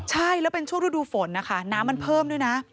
ใช่แล้วเป็นช่วงฤดูฝนนะคะน้ำมันเพิ่มด้วยนะ